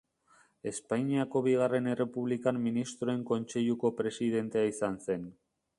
Espainiako Bigarren Errepublikan Ministroen Kontseiluko Presidentea izan zen.